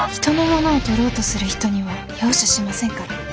人のものをとろうとする人には容赦しませんから。